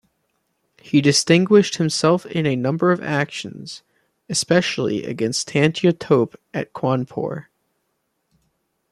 He distinguished himself in a number of actions, especially against Tantya Tope at Cawnpore.